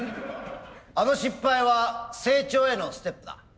あの失敗は成長へのステップだ。